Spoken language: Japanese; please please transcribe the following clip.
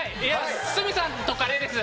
鷲見さんとカレーです。